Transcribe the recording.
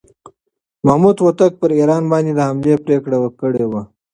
محمود هوتک پر ایران باندې د حملې پرېکړه کړې وه.